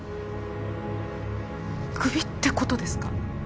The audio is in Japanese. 首ってことですか？